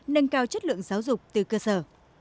nâng cao chất lượng giáo dục từ cơ sở